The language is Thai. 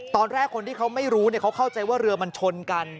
ตอนแรกคนที่เขาไม่รู้เขาเข้าใจว่าเรือมันชนกัน